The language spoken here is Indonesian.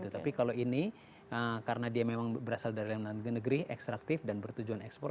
tapi kalau ini karena dia memang berasal dari dalam negeri ekstraktif dan bertujuan ekspor